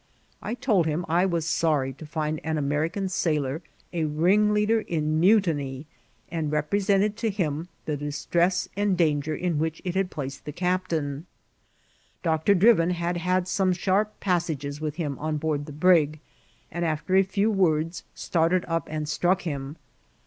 I told him I was sorry to find an American sailor a ringleader in muti ny, and represented to him the distress and danger in which it had placed the captain. Doctor Drivin had had some sharp passages with him on board the brig, and, after a few >words, started up and struck him.